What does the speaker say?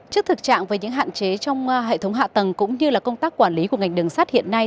trước thực trạng về những hạn chế trong hệ thống hạ tầng cũng như công tác quản lý của ngành đường sắt hiện nay